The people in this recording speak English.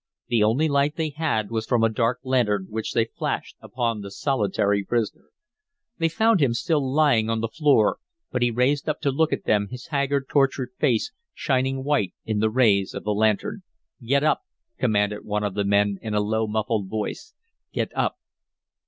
The only light they had was from a dark lantern, which they flashed upon the solitary prisoner. They found him still lying on the floor, but he raised up to look at them, his haggard, tortured face shining white in the rays of the lantern. "Get up," commanded one of the men, in a low, muffled voice. "Get up."